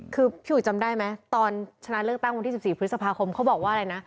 คือพี่อุ๋ยจำได้ไหมตอนชนะเลือกตั้งวันที่๑๔พฤษภาคมเขาบอกว่าอะไรนะ